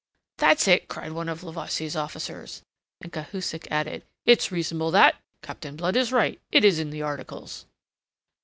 "That's it!" cried one of Levasseur's officers. And Cahusac added: "It's reasonable, that! Captain Blood is right. It is in the articles."